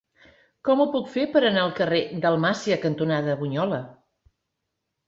Com ho puc fer per anar al carrer Dalmàcia cantonada Bunyola?